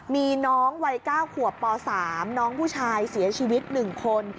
มีน้องวัย๙ขวบป๓น้องผู้ชายเสียชีวิต๑คน